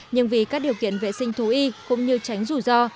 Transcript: nhưng vì các điều kiện vệ sinh thú y cũng như tránh rủi ro